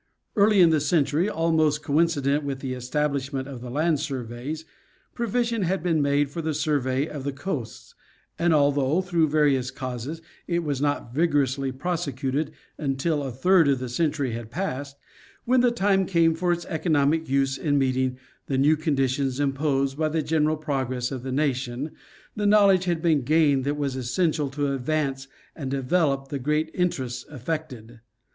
Early in the century, almost coincident with the establishment of the land surveys, provision had been made for the survey of the coasts, and although through various causes it was not vigorously prosecuted until a third of the cen tury had passed, when the time came for its economic use in meeting the new conditions imposed by the general progress of Geography of the Land. 41 the nation, the knowledge had been gained that was essential to advance and develop the great interests affected.